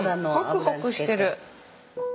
ホクホクしてる！